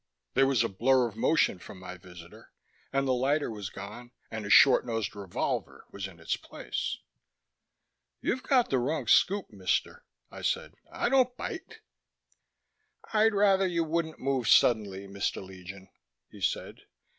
There was a blur of motion from my visitor, and the lighter was gone and a short nosed revolver was in its place. "You've got the wrong scoop, mister," I said. "I don't bite." "I'd rather you wouldn't move suddenly, Mr. Legion," he said.